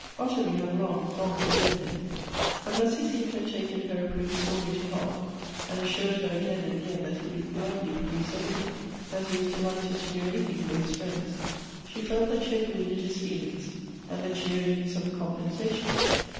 Ottilie had long, long forgiven him ; but as he seemed to have taken her reproof sorely to heart, and assured her again and again that he would gladly produce every thing — that he was delighted to do anything for his friends — she felt that she had wounded his feelings, and that she owed him some compensation.